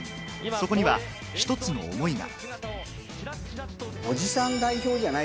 そこには１つの思いが。